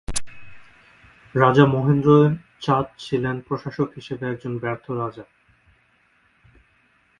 রাজা মহেন্দ্র চাঁদ ছিলেন প্রশাসক হিসেবে একজন ব্যর্থ রাজা।